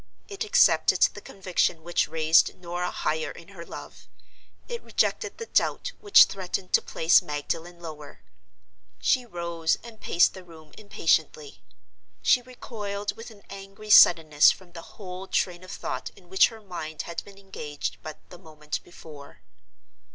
It accepted the conviction which raised Norah higher in her love: it rejected the doubt which threatened to place Magdalen lower. She rose and paced the room impatiently; she recoiled with an angry suddenness from the whole train of thought in which her mind had been engaged but the moment before.